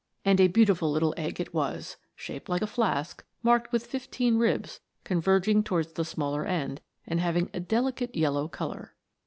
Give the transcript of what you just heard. And a beautiful little egg it was, shaped like a flask, marked with fifteen ribs, converging to wards the smaller end, and having a delicate yellow colour.